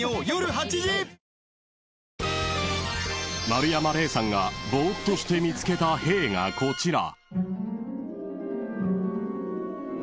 ［丸山礼さんがぼーっとして見つけたへぇーがこちら］